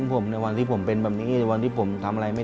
รายการต่อไปนี้เป็นรายการทั่วไปสามารถรับชมได้ทุกวัย